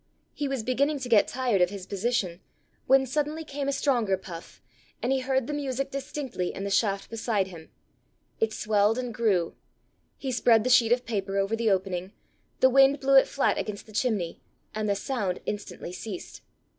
He was beginning to get tired of his position, when suddenly came a stronger puff, and he heard the music distinctly in the shaft beside him. It swelled and grew. He spread the sheet of paper over the opening, the wind blew it flat against the chimney, and the sound instantly ceased.